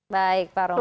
baik pak romli